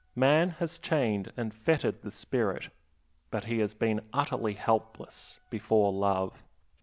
Man has chained and fettered the spirit, but he has been utterly helpless before love.